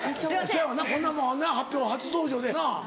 せやわなこんなもん発表初登場でなぁ。